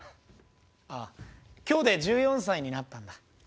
ああ今日で１４歳になったんだ。